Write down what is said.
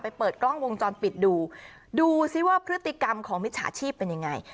เปิดกล้องวงจรปิดดูดูซิว่าพฤติกรรมของมิจฉาชีพเป็นยังไง